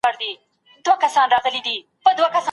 هغه خلګ چي یو موټی دي څوک یې نه سي ماتولای.